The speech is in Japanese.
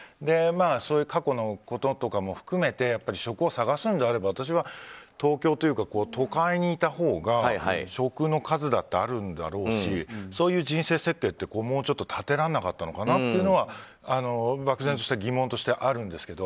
そういう過去のこととかも含めてやっぱり職を探すのであれば私は東京というか都会にいたほうが職の数だってあるんだろうしそういう人生設計ってもうちょっと立てられなかったのかなって漠然とした疑問としてあるんですけど。